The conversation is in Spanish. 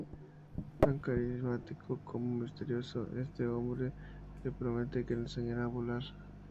Tan carismático como misterioso, este hombre le promete que le enseñará a volar.